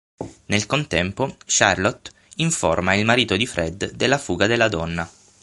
Nel contempo Charlotte informa il marito di Fred della fuga della donna.